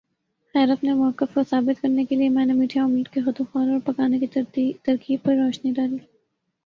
خیر اپنے موقف کو ثابت کرنے کے لئے میں نے میٹھے آملیٹ کے خدوخال اور پکانے کی ترکیب پر روشنی ڈالی